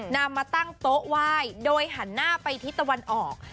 นำมาตั้งโต๊ะไหว้โดยหันหน้าไปทิศตะวันออก